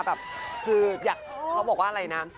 แบบคืออยากเขาบอกว่าอะไรนะ